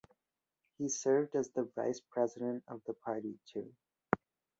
He served as the vice president of the party too.